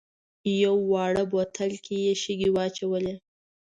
یوه واړه بوتل کې یې شګې واچولې.